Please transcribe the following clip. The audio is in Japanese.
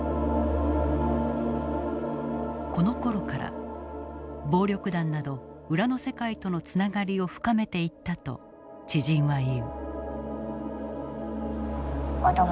このころから暴力団など裏の世界とのつながりを深めていったと知人は言う。